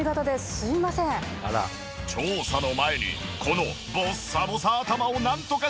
調査の前にこのボッサボサ頭をなんとかしたい！